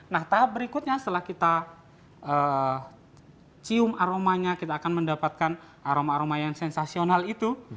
nah tahap berikutnya setelah kita cium aromanya kita akan mendapatkan aroma aroma yang sensasional itu